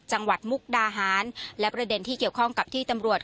มุกดาหารและประเด็นที่เกี่ยวข้องกับที่ตำรวจ